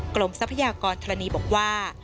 ทรัพยากรธรณีบอกว่า